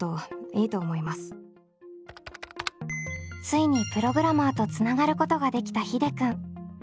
ついにプログラマーとつながることができたひでくん。